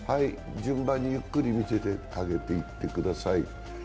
順番にゆっくり見せていってあげてください。